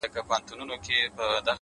o چي توري څڼي پرې راوځړوې؛